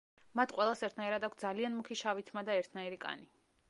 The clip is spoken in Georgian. მათ ყველას ერთნაირად აქვთ ძალიან მუქი შავი თმა და ერთნაირი კანი.